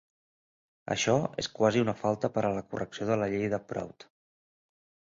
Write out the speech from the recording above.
Això és quasi una falta per a la correcció de la llei de Prout.